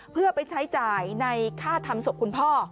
เพื่อไปใช้จ่ายในค่าทำศพคุณพ่อ